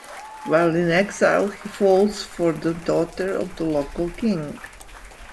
While in exile, he falls for the daughter of a local king.